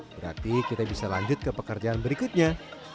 berarti kita bisa lanjut ke pekerjaan berikutnya